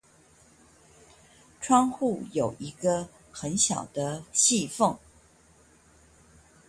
窗戶有一個很小的隙縫